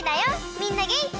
みんなげんき？